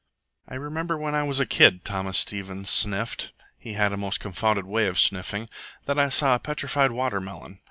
"I remember when I was a kid," Thomas Stevens sniffed (he had a most confounded way of sniffing), "that I saw a petrified water melon.